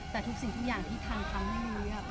แต่ทุกสิ่งทุกอย่างที่ทางทำให้ยุ้ยครับ